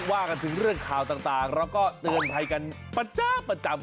ว่ากันถึงเรื่องข่าวต่างเราก็เตือนภัยกันประจำ